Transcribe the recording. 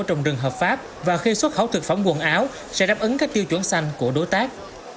trong rừng hợp pháp và khi xuất khẩu thực phẩm quần áo sẽ đáp ứng các tiêu chuẩn xanh của đối tác